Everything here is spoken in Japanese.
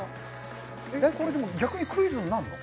これでも逆にクイズになるの？